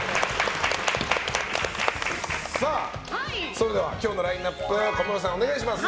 それでは今日のラインアップ小室さん、お願いします。